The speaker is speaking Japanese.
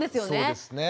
そうですね。